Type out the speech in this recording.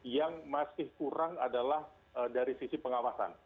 yang masih kurang adalah dari sisi pengawasan